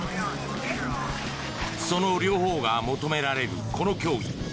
その両方が求められるこの競技。